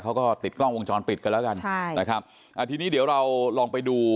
เขาก็ติดกล้องวงจรปิดกันแล้วกันใช่นะครับอ่าทีนี้เดี๋ยวเราลองไปดู